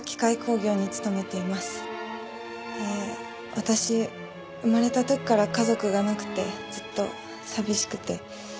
私生まれた時から家族がなくてずっと寂しくて。